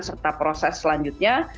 serta proses selanjutnya